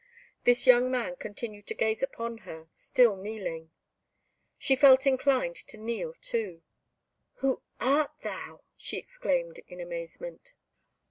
This young man continued to gaze upon her, still kneeling. She felt inclined to kneel too. "Who art thou?" she exclaimed, in amazement.